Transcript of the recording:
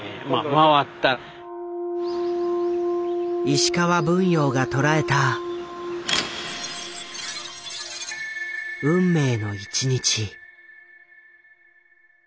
石川文洋が捉えた運命の１日。